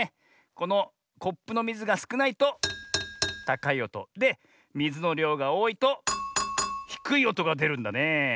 このコップのみずがすくないとたかいおと。でみずのりょうがおおいとひくいおとがでるんだねえ。